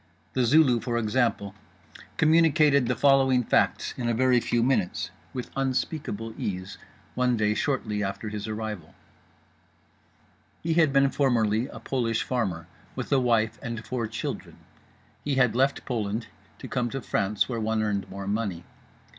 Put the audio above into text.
The Zulu, for example communicated the following facts in a very few minutes, with unspeakable ease, one day shortly after his arrival: He had been formerly a Polish farmer, with a wife and four children. He had left Poland to come to France, where one earned more money.